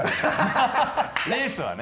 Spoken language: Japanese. レースはね。